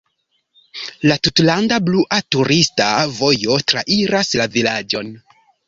La "Tutlanda "blua" turista vojo" trairas la vilaĝon.